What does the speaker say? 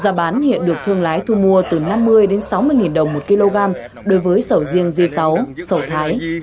giá bán hiện được thương lái thu mua từ năm mươi đến sáu mươi nghìn đồng một kg đối với sầu riêng g sáu sầu thái